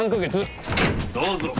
どうぞ！